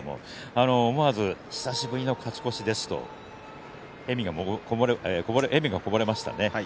思わず久しぶりの勝ち越しでしたと笑みがこぼれていました。